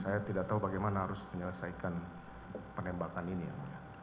saya tidak tahu bagaimana harus menyelesaikan penembakan ini yang mulia